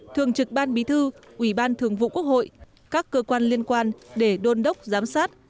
thường trực ban bí thư ủy ban thường vụ quốc hội các cơ quan liên quan để đôn đốc giám sát